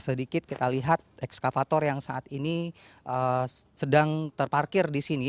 sedikit kita lihat ekskavator yang saat ini sedang terparkir di sini